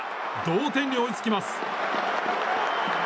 同点に追いつきます。